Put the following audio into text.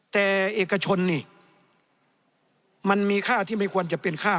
แต่เอกชนนี่มันมีค่าที่ไม่ควรจะเป็นค่า